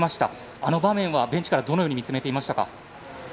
あの場面はベンチからどのように見つめていましたか？